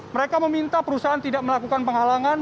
mereka meminta perusahaan tidak melakukan penghalangan